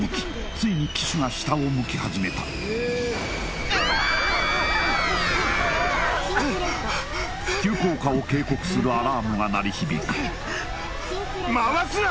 ついに機首が下を向きはじめたシンクレートシンクレート急降下を警告するアラームが鳴り響く回すな！